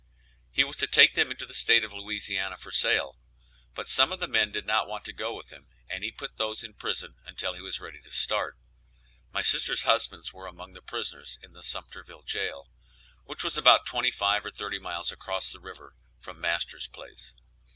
He was to take them into the state of Louisiana for sale, but some of the men did not want to go with him, and he put those in prison until he was ready to start. My sisters' husbands were among the prisoners in the Sumterville jail, which was about twenty five or thirty miles across the river from master's place.